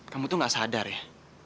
kamu tuh gak sadar ya